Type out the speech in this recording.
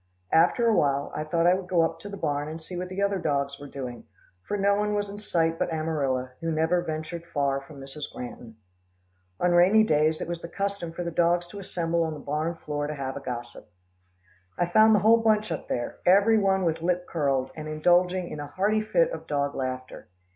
After a while, I thought I would go up to the barn and see what the other dogs were doing, for no one was in sight but Amarilla, who never ventured far from Mrs. Granton. On rainy days, it was the custom for the dogs to assemble on the barn floor to have a gossip. I found the whole bunch up there, every one with lip curled, and indulging in a hearty fit of dog laughter.